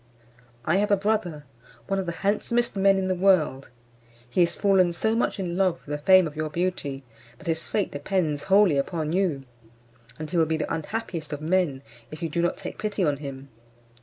I have a brother, one of the handsomest men in the world: he is fallen so much in love with the fame of your beauty, that his fate depends wholly upon you, and he will be the unhappiest of men if you do not take pity on him.